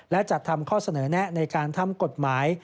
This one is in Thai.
และจัดทำข้อเสนอแนะในการทำกฎหมาย